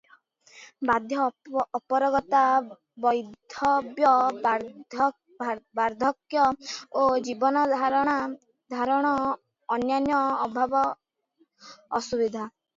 ବ୍ୟାଧି, ଅପାରଗତା, ବୈଧବ୍ୟ, ବାର୍ଦ୍ଧକ୍ୟ ଓ ଜୀବନଧାରଣର ଅନ୍ୟାନ୍ୟ ଅଭାବ ଅସୁବିଧା ।